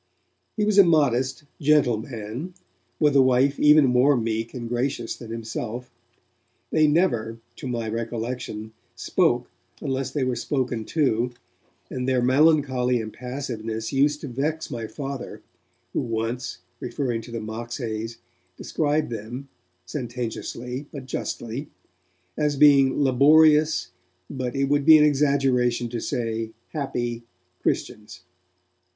He was a modest, gentle man, with a wife even more meek and gracious than himself. They never, to my recollection, spoke unless they were spoken to, and their melancholy impassiveness used to vex my Father, who once, referring to the Moxhays, described them, sententiously but justly, as being 'laborious, but it would be an exaggeration to say happy, Christians'.